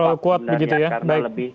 terlalu kuat begitu ya